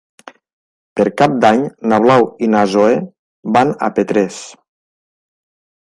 Per Cap d'Any na Blau i na Zoè van a Petrés.